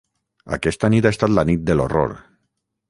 Aquesta nit ha estat la nit de l’horror.